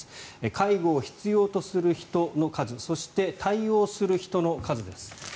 介護を必要とする人の数そして、対応する人の数です。